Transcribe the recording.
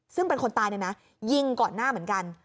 ซึ่งเป็นคนตายเนี่ยนะยิงก่อนหน้าเหมือนกัน